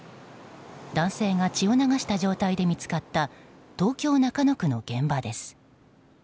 男性が血を流した状態で見つかった東京・中野区の現場です。